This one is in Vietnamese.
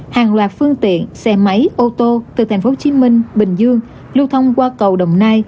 hàng loạt phương tiện xe máy ô tô từ tp hcm bình dương lưu thông qua cầu đồng nai